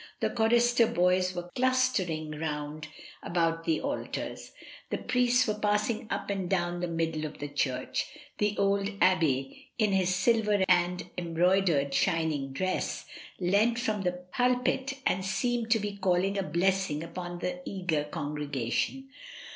The chorister boys were clustering round about the altars, the priests were passing up and down the middle of the church. The old abb^, in his silver and embroidered shining dress, leant from the pulpit and seemed to be calling a blessing upon the eager congregation.